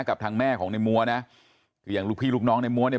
กับทางแม่ของในมัวนะคืออย่างลูกพี่ลูกน้องในมัวเนี่ย